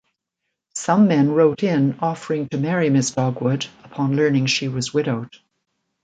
Some men wrote in offering to marry Ms. Dogood, upon learning she was widowed.